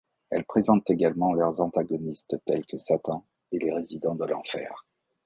Elle présente également leurs antagonistes tels que Satan et les résidents de l'enfer.